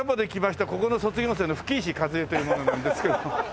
ここの卒業生の吹石一恵という者なんですけど。